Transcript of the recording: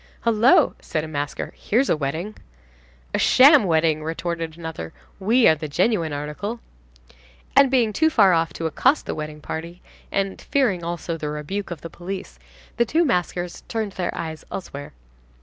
"Hullo!" said a masker, "here's a wedding." "A sham wedding," retorted another. "We are the genuine article." And, being too far off to accost the wedding party, and fearing also, the rebuke of the police, the two maskers turned their eyes elsewhere.